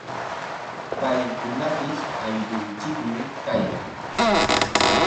Paykunapis ayllunchikmi kayan.